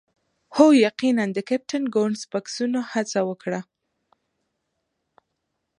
هو یقیناً د کیپټن ګوډنس بکسونه هڅه وکړه